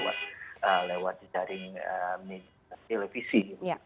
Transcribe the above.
atau lewat jaring media